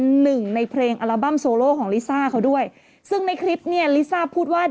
หนึ่งในเพลงอัลบั้มโซโลของลิซ่าเขาด้วยซึ่งในคลิปเนี่ยลิซ่าพูดว่า